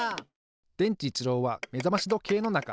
でんちいちろうはめざましどけいのなか。